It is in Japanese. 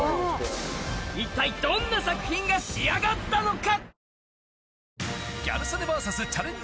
一体どんな作品が仕上がったのか？